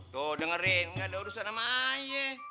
tuh dengerin gak ada urusan sama ayah